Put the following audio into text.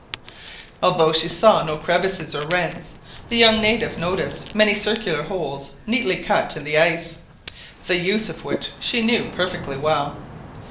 Although she saw no crevasses or rents, the young native noticed many circular holes neatly cut in the ice, the use of which she knew perfectly well.